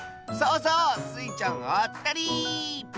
そうそう！スイちゃんあったり！